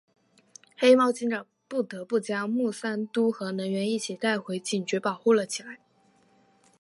黑猫警长不得不将牟三嘟和能源一起带回警局保护了起来。